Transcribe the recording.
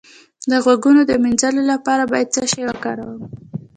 د غوږونو د مینځلو لپاره باید څه شی وکاروم؟